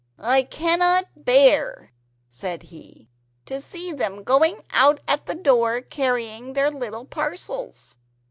"I cannot bear," said he, "to see them going out at the door carrying their little parcels."